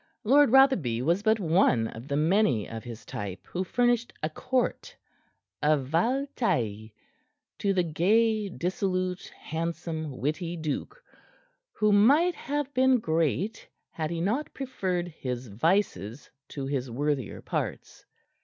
Lord Rotherby was but one of the many of his type who furnished a court, a valetaille, to the gay, dissolute, handsome, witty duke, who might have been great had he not preferred his vices to his worthier parts.